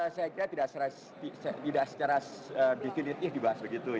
saya kira tidak secara definitif dibahas begitu